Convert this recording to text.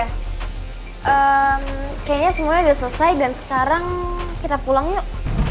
kayaknya semuanya udah selesai dan sekarang kita pulang yuk